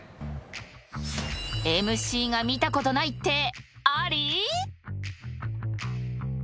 ［ＭＣが見たことないってあり？］